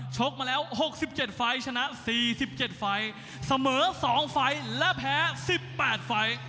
กมาแล้ว๖๗ไฟล์ชนะ๔๗ไฟล์เสมอ๒ไฟล์และแพ้๑๘ไฟล์